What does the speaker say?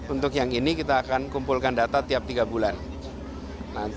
untuk yang ini kita akan kumpulkan data tiap tiga bulan